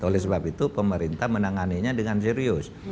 oleh sebab itu pemerintah menanganinya dengan serius